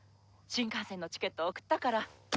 新幹線のチケット送ったから。